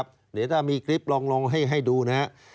เห็นในคลิปล่ะครับเดี๋ยวถ้ามีคลิปลองให้ดูนะครับ